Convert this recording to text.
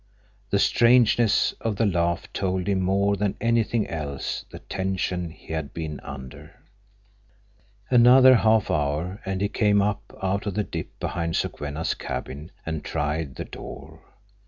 The strangeness of the laugh told him more than anything else the tension he had been under. Another half hour, and he came up out of the dip behind Sokwenna's cabin and tried the door.